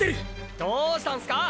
どうしたんすか？